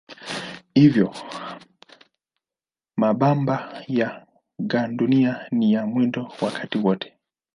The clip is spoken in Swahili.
Hivyo mabamba ya gandunia yana mwendo wakati wote.